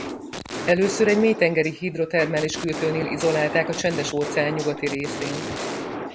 Először egy mélytengeri hidrotermális kürtőnél izolálták a Csendes-óceán nyugati részén.